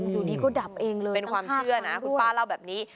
อยู่ดีก็ดับเองเลยตั้ง๕ครั้งด้วยเป็นความเชื่อนะคุณป้าเล่าแบบนี้